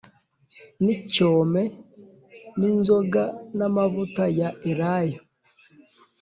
n’icyome n’inzoga n’amavuta ya elayo,